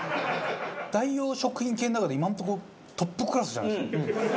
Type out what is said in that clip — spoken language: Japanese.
代用食品系の中で今のところトップクラスじゃないですか？